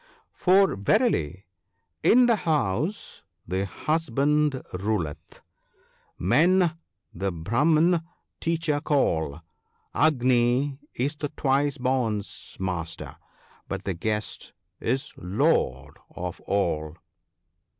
For verily, " In the house the husband ruleth ; men the. Brahman * teacher ' call ;( 27 ) Agni is the Twice born's Master — but the guest is lord of all."